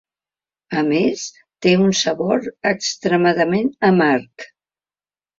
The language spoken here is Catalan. A més, té un sabor extremadament amarg.